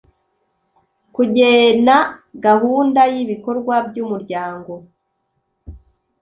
kugena gahunda y ibikorwa by umuryango